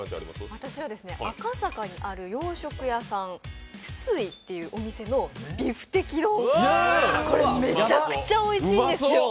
私は赤坂にある洋食屋さん、津つ井というお店のこれ、めちゃくちゃおいしいんですよ。